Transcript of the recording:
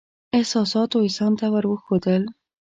احساساتو انسان ته ور وښودل.